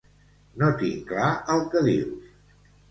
No tinc clar el que dius.